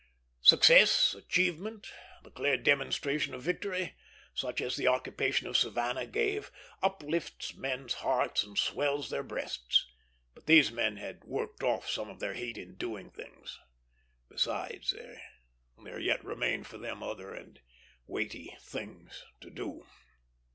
Success, achievement, the clear demonstration of victory, such as the occupation of Savannah gave, uplifts men's hearts and swells their breasts; but these men had worked off some of their heat in doing things. Besides, there yet remained for them other and weighty things to do.